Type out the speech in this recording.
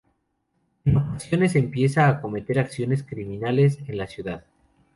En ocasiones empiezan a cometer acciones criminales en la ciudad.